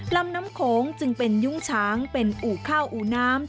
ลำน้ำโขงจึงเป็นยุ้งฉางเป็นอู่ข้าวอู่น้ำ